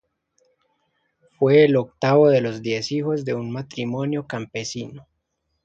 Fue el octavo de los diez hijos de un matrimonio campesino.